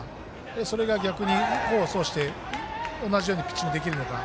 それが逆に功を奏して同じようにピッチングできるのか。